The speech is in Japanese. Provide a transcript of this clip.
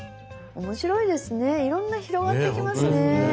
面白いですねいろんな広がっていきますね。